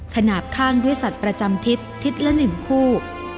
ขนาดข้างด้วยสัตว์ประจำทิศทิศละ๑คู่